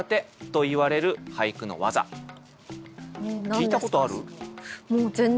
聞いたことある？